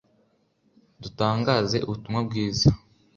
dutangaze ubutumwa bwiza